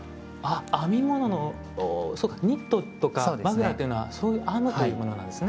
編み物のニットとかマフラーというのはそういう「編む」というものなんですね。